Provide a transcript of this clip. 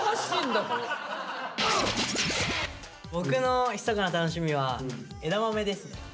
僕のひそかな楽しみは枝豆ですね。